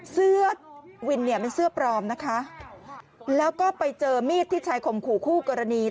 เสื้อวินเนี่ยเป็นเสื้อปลอมนะคะแล้วก็ไปเจอมีดที่ชายข่มขู่คู่กรณี